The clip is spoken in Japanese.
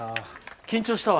緊張したわ。